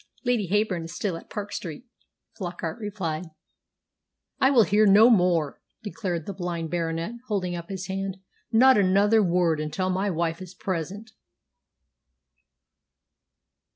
"Lady Heyburn is still at Park Street," Flockart replied. "I will hear no more," declared the blind Baronet, holding up his hand, "not another word until my wife is present."